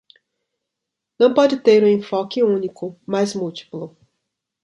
não pode ter um enfoque único, mas múltiplo.